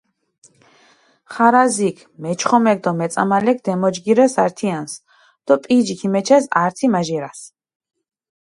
ხარაზიქ, მეჩხომექ დო მეწამალექ დემოჯგირეს ართიანსჷ დო პიჯი ქიმეჩეს ართი-მაჟირას.